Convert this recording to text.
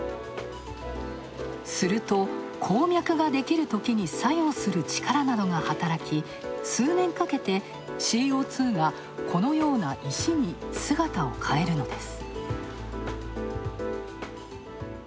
すると、鉱脈ができるときに作用する力などが働き、数年かけてＣＯ２がこのような石に姿を変えるのです。